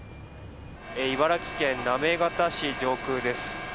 茨城県行方市上空です。